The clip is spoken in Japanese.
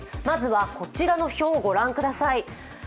まずはこちらの表をご覧ください。